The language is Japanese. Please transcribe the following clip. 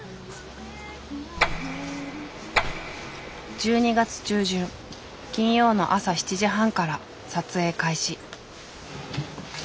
１２月中旬金曜の朝７時半から撮影開始。